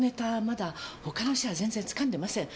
まだ他の社は全然つかんでません。